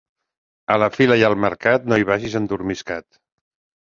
A la fira i al mercat, no hi vagis endormiscat.